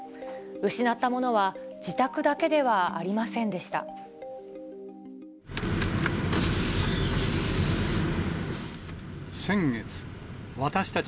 失ったものは、自宅だけではありませんでした。